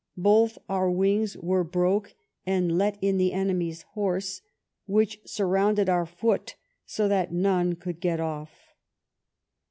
Both our wings were broke and let in the enemy^s horse, which surrounded our foot, so that none could get off."